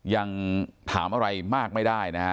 ยังถามอะไรมากไม่ได้นะฮะ